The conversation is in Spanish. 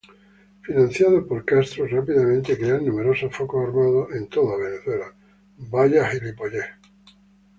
Financiado por Castro, rápidamente crean numerosos focos armados en toda Venezuela.